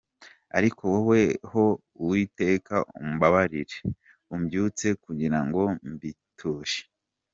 Ariko wowe ho Uwiteka umbabarire umbyutse, Kugira ngo mbiture.